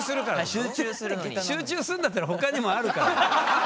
集中するんだったら他にもあるから！